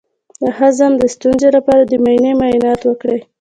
د هضم د ستونزې لپاره د معدې معاینه وکړئ